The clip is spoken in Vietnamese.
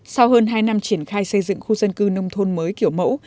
sau hơn hai năm triển khai xây dựng khu dân cư nông thôn mới kiểu mẫu